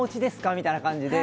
みたいな感じで。